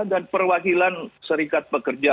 dan perwakilan serikat pekerja